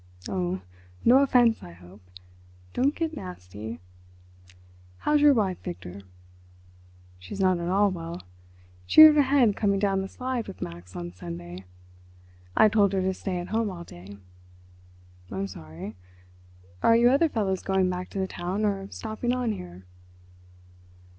"Oh, no offence, I hope. Don't get nasty.... How's your wife, Victor?" "She's not at all well. She hurt her head coming down the slide with Max on Sunday. I told her to stay at home all day." "I'm sorry. Are you other fellows going back to the town or stopping on here?"